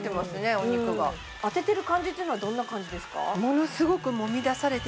お肉が当ててる感じというのはどんな感じですか？